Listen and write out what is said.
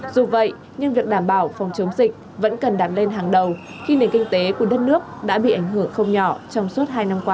dù vậy nhưng việc đảm bảo phòng chống dịch vẫn cần đặt lên hàng đầu khi nền kinh tế của đất nước đã bị ảnh hưởng không nhỏ trong suốt hai năm qua